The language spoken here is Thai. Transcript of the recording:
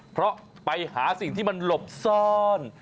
เพราะไปหาสิ่งที่มันหลบซ่อน